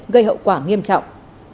gây hậu quả nghiêm trọng